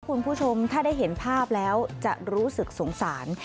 คุณผู้ชมถ้าได้เห็นภาพแล้วจะรู้สึกสงสาร